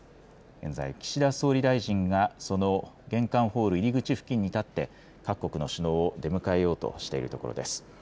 現在、岸田総理大臣がその玄関ホール、入り口付近に立って、各国の首脳を出迎えようとしているところです。